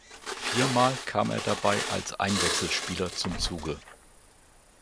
Viermal kam er dabei als Einwechselspieler zum Zuge.